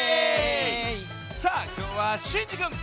さあきょうはシンジくん！